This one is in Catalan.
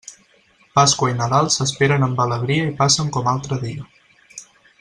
Pasqua i Nadal s'esperen amb alegria i passen com altre dia.